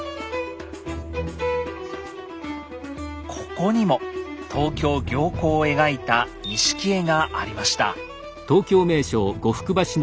ここにも東京行幸を描いた錦絵がありました。